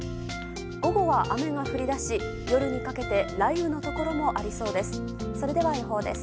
午後は雨が降り出し夜にかけて雷雨のところもありそうです。